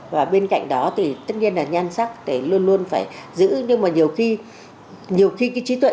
và bên cạnh đó thì tất nhiên là nhan sắc để luôn luôn phải giữ nhưng mà nhiều khi nhiều khi cái trí tuệ